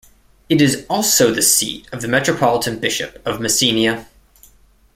It is also the seat of the Metropolitan Bishop of Messenia.